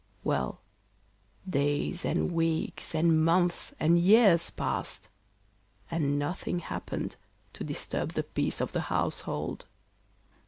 Well, days and weeks and months and years passed, and nothing happened to disturb the peace of the household.